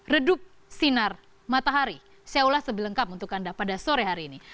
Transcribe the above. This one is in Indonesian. redup sinar matahari saya ulas sebelengkap untuk anda pada sore hari ini